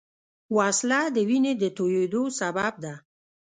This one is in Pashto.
وسله د وینې د تویېدو سبب ده